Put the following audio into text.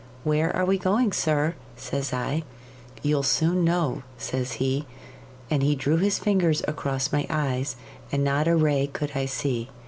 "Where are we going, sir?" says I. "You'll soon know," says he; and he drew his fingers across my eyes, and not a ray could I see.